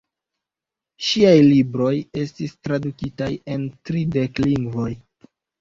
Ŝiaj libroj estis tradukitaj en tridek lingvojn.